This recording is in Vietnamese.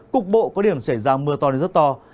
cục bộ có điểm xảy ra mưa to đến rất to